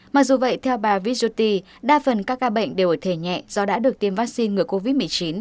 mặc dù vậy theo bà vishuti đa phần các ca bệnh đều ở thể nhẹ do đã được tiêm vaccine ngừa covid một mươi chín